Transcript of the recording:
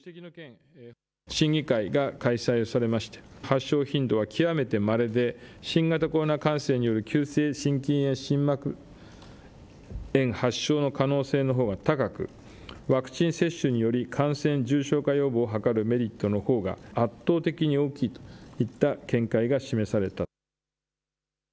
審議会を開催をされまして発症頻度は極めてまれで新型コロナ感染による急性心筋炎、心膜炎の発症の可能性のほうが高く重症化予防を図るメリットのほうが圧倒的に大きいといった見解が示された。